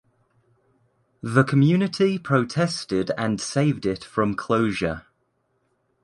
The community protested and saved it from closure.